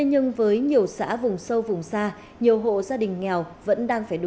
những cái ngày tết của dân tộc